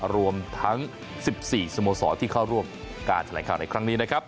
รวมทั้ง๑๔สโมสรที่เข้าร่วมการแถลงข่าวในครั้งนี้นะครับ